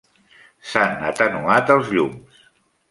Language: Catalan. S'han atenuat els llums.